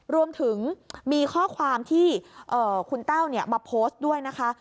รวมถึงมีข้อความที่คุณแต้วมาโพสต์ด้วยนะคะ